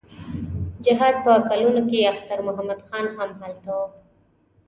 د جهاد په کلونو کې اختر محمد خان هم هلته و.